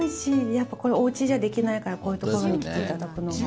やっぱこれおうちじゃできないからこういうところに来て頂くのが。